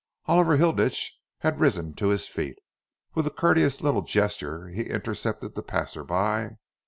Oliver Hilditch had risen to his feet. With a courteous little gesture he intercepted the passer by.